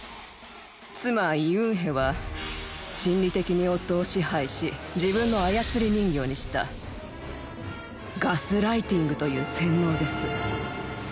妻イ・ウンヘは心理的に夫を支配し自分の操り人形にしたガスライティングという洗脳です